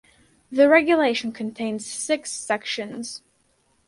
The regulation contains six sections.